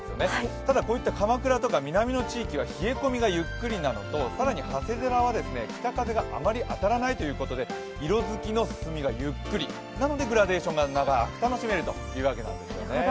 ただ、こういった鎌倉と南の地域は冷え込みがゆっくりなのと更に長谷寺は北風があまり当たらないということで色づきの進みがゆっくりなのでグラデーションが長く楽しめるということなんですね。